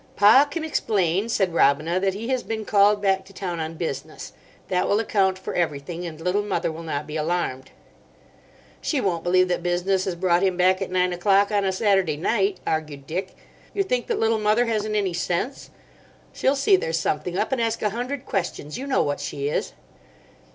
"Pa can explain," said Robina, "that he has been called back to town on business. That will account for everything, and Little Mother will not be alarmed." "She won't believe that business has brought him back at nine o'clock on a Saturday night," argued Dick; "you think that Little Mother hasn't any sense. She'll see there's something up, and ask a hundred questions. You know what she is."